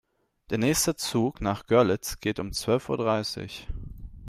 Der nächste Zug nach Görlitz geht um zwölf Uhr dreißig